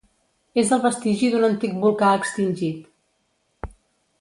És el vestigi d'un antic volcà extingit.